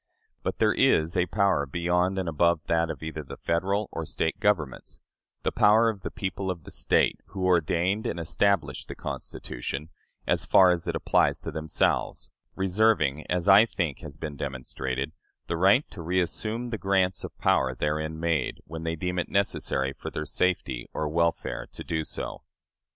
But there is a power beyond and above that of either the Federal or State governments the power of the people of the State, who ordained and established the Constitution, as far as it applies to themselves, reserving, as I think has been demonstrated, the right to reassume the grants of power therein made, when they deem it necessary for their safety or welfare to do so.